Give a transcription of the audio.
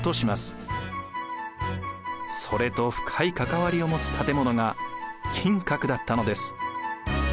それと深い関わりを持つ建物が金閣だったのです。